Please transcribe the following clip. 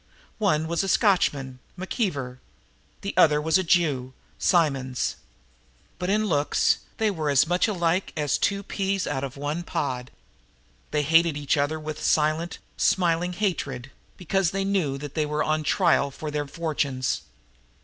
One was a Scotchman, McKeever; the other was a Jew, Simonds. But in looks they were as much alike as two peas out of one pod. They hated each other with silent, smiling hatred, because they knew that they were on trial for their fortunes.